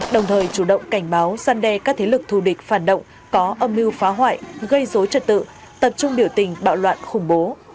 đồng thời chủ động cảnh báo săn đe các thế lực thù địch phản động có âm mưu phá hoại gây dối trật tự tập trung biểu tình bạo loạn khủng bố